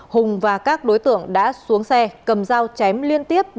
hùng và các đối tượng đã xuống xe cầm dao chém liên tiếp